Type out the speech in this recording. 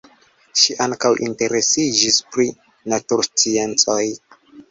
Ŝi ankaŭ interesiĝis pri natursciencoj.